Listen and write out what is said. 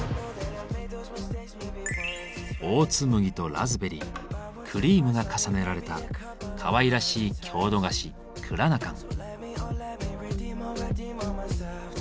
オーツ麦とラズベリークリームが重ねられたかわいらしい郷土菓子「クラナカン」。